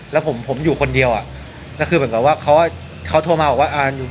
แล้วผมผมอยู่คนเดียวอ่ะแล้วคือเหมือนกับว่าเขาเขาโทรมาบอกว่าอ่าอยู่